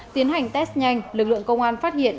tiến hành test nhanh lực lượng công an phát hiện